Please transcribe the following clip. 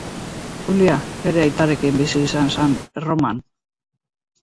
Julia bere aitarekin bizi izan zen Erroman.